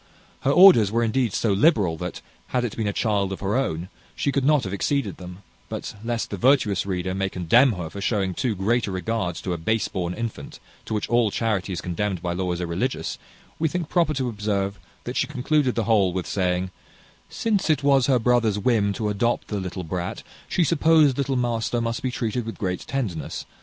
Her orders were indeed so liberal, that, had it been a child of her own, she could not have exceeded them; but, lest the virtuous reader may condemn her for showing too great regard to a base born infant, to which all charity is condemned by law as irreligious, we think proper to observe that she concluded the whole with saying, "Since it was her brother's whim to adopt the little brat, she supposed little master must be treated with great tenderness.